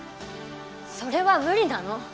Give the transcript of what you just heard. それは無理なの。